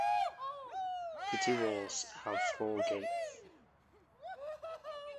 City walls have four gates.